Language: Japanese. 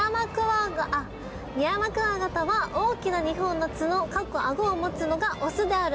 ミヤマクワガタは大きな２本の角かっこアゴを持つのがオスである。